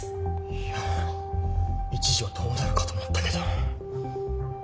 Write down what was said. いや一時はどうなるかと思ったけど。